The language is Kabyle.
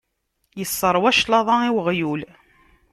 Isseṛwa cclaḍa i uɣyul.